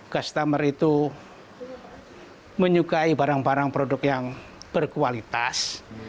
customer itu menyukai barang barang produk yang berkualitas